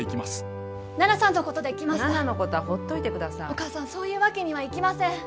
お母さんそういうわけにはいきません。